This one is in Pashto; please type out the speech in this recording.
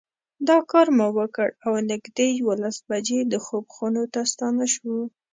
دا کار مو وکړ او نږدې یوولس بجې د خوب خونو ته ستانه شوو.